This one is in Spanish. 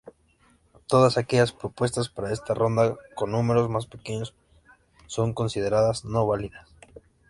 Todas aquellas propuestas para esa ronda con números más pequeños son consideradas no válidas.